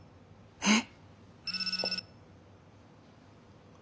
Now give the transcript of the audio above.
えっ！？